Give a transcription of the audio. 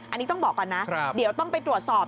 อันนี้ต้องบอกก่อนนะเดี๋ยวต้องไปตรวจสอบ